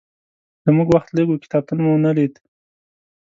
زموږ وخت لږ و، کتابتون مو ونه لید.